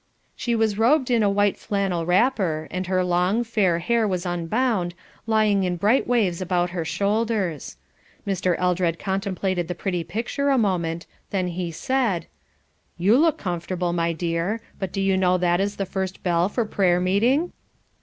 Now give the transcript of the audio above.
She was robed in a white flannel wrapper, and her long, fair hair was unbound, lying in bright waves about her shoulders. Mr. Eldred contemplated the pretty picture a moment, then he said: "You look comfortable, my dear: but do you know that is the first bell for prayer meeting?"